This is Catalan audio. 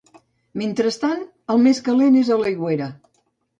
Mentrestant, el més calent és a l'aigüera.